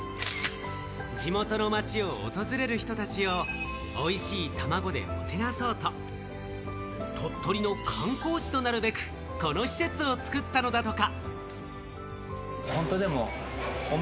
地元の町を訪れる人たちをおいしいたまごでもてなそうと、鳥取の観光地となるべく、この施設を作ったのだとか。